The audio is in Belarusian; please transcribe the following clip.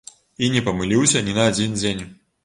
І не памыліўся ні на адзін дзень.